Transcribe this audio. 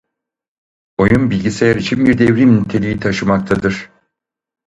Oyun bilgisayar için bir devrim niteliği taşımaktadır.